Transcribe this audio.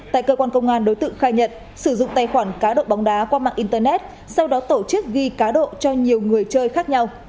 tại cơ quan công an đối tượng khai nhận sử dụng tài khoản cá độ bóng đá qua mạng internet sau đó tổ chức ghi cá độ cho nhiều người chơi khác nhau